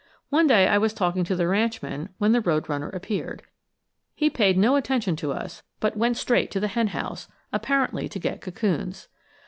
One day I was talking to the ranchman when the road runner appeared. He paid no attention to us, but went straight to the hen house, apparently to get cocoons.